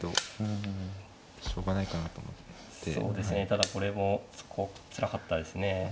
ただこれもそこつらかったですね。